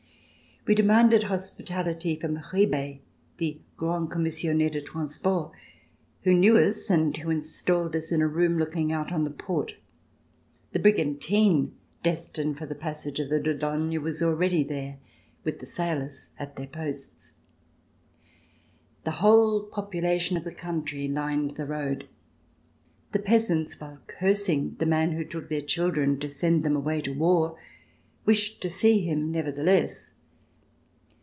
We demanded hospitality from Ribet, the Grand Commissionnaire de Transport who knew us and who installed us in a room looking out on the port. The brigantine destined for the passage of the Dordogne was already there with the sailors at their posts. The whole population of the country lined the road; the peasants, while cursing the man who took their children to send them away to war, wished to see him nevertheless.